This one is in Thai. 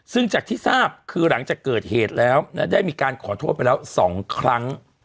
ซึ่งจากที่ทราบคือหลังจากเกิดเหตุแล้วได้มีการขอโทษไปแล้ว๒ครั้ง